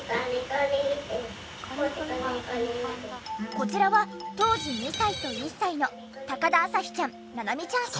こちらは当時２歳と１歳の田朝日ちゃん七海ちゃん姉妹。